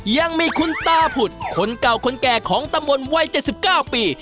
ยังมีคุณตาผุดคนเก่าคนแก่ของตำบนวัยเจ็ดสิบเก้าปี